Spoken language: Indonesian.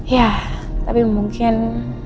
ya tapi mungkin